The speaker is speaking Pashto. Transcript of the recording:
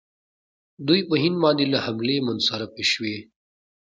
دوی په هند باندې له حملې منصرفې شوې.